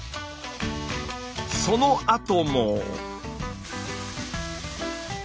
そのあとも。